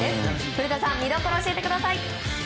古田さん、見どころ教えてください。